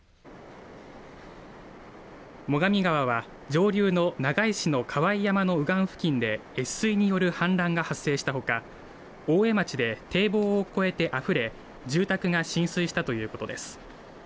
最上川は上流の長井市の河井山の右岸付近で越水による氾濫が発生したほか大江町で堤防を越えてあふれ住宅が浸水したということです。